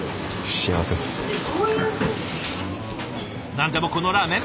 何でもこのラーメン